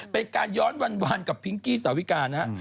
เป็นการย้อนวานกับพิงกี้สาวิกานะฮะ